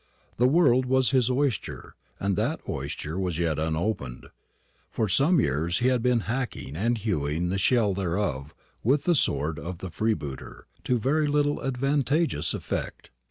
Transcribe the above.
The world was his oyster, and that oyster was yet unopened. For some years he had been hacking and hewing the shell thereof with the sword of the freebooter, to very little advantageous effect.